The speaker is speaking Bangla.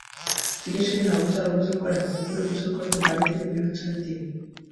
চিকিৎসাধীন আবুজার অভিযোগ করেন, পুকুরে গোসল করতে বাড়ি থেকে বের হচ্ছিলেন তিনি।